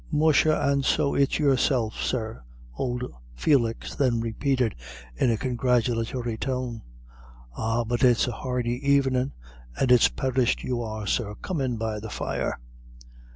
"Musha, and so it's yourself, sir," old Felix then repeated, in a congratulatory tone. "Ah, but it's a hardy evenin', and it's perished you are, sir. Come in be the fire."